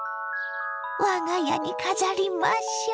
我が家に飾りましょ。